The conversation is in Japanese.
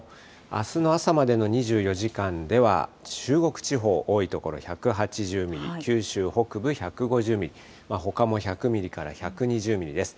あすの朝までの２４時間では、中国地方、多い所１８０ミリ、九州北部１５０ミリ、ほかも１００ミリから１２０ミリです。